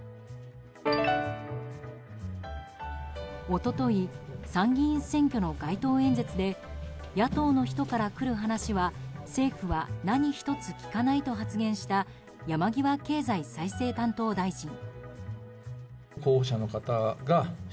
一昨日、参議院選挙の街頭演説で野党の人から来る話は政府は何一つ聞かないと発言した山際経済再生担当大臣。